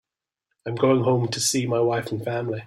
I'm going home and see my wife and family.